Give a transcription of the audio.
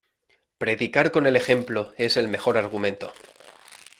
Predicar con el ejemplo, es el mejor argumento.